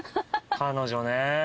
彼女ね。